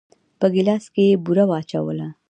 په ګيلاس کې يې بوره واچوله.